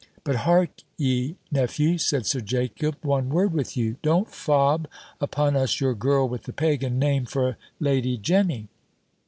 "But hark ye, nephew," said Sir Jacob, "one word with you. Don't fob upon us your girl with the Pagan name for Lady Jenny.